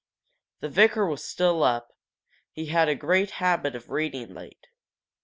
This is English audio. The vicar was still up, he had a great habit of reading late.